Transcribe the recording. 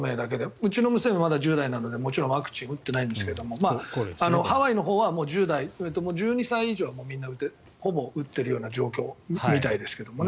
うちの娘は１０代なのでもちろんワクチン打ってないんですがハワイのほうは１０代１２歳以上はみんなほぼ打っているような状況ですけどね。